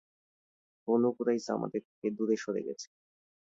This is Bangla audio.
বনু কুরাইজা আমাদের থেকে দূরে সরে গেছে।